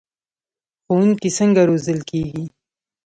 ښوونکي څنګه روزل کیږي؟